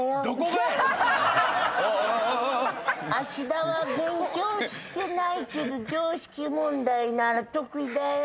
「芦田は勉強してないけど常識問題なら得意だよ」